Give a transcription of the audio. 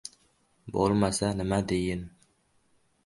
— Bo‘lmasa nima deyin?